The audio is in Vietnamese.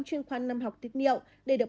chuyên khoan năm học tiết niệm để được